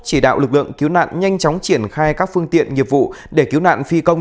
chỉ đạo lực lượng cứu nạn nhanh chóng triển khai các phương tiện nghiệp vụ để cứu nạn phi công